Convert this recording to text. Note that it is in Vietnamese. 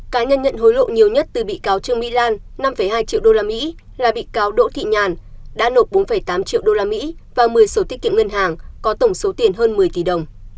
cá nhân nhận hối lộ nhiều nhất từ bị cáo trương mỹ lan năm hai triệu usd là bị cáo đỗ thị nhàn đã nộp bốn tám triệu usd và một mươi sổ tiết kiệm ngân hàng có tổng số tiền hơn một mươi tỷ đồng